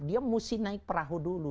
dia mesti naik perahu dulu